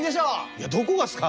いやどこがすか！